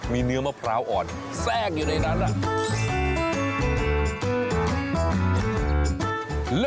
มีเนื้อมะพร้าวอ่อนแทรกอยู่ในนั้น